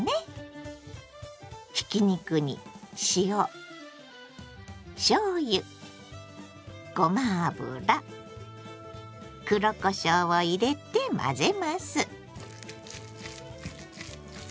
ひき肉に塩しょうゆごま油黒こしょうを入れて混ぜます。